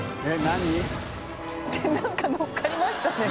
何かのっかりましたね。